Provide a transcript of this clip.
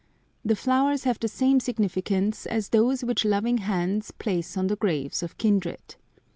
The flowers have the same significance as those which loving hands place on the graves of kindred.